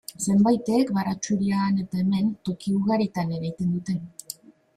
Zenbaitek baratxuria han eta hemen, toki ugaritan ereiten dute.